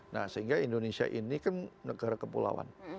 nah sehingga indonesia ini kan negara kepulauan